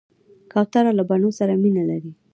کوتره له بڼو سره مینه لري.